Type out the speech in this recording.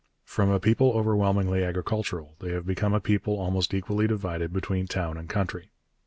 From a people overwhelmingly agricultural they have become a people almost equally divided between town and country.